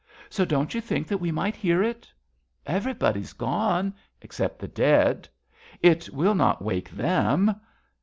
So don't you think That we might hear it? Everybody is gone, except the dead. It will not wake them.